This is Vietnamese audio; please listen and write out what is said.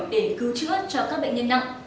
để cứu chữa cho các bệnh nhân nặng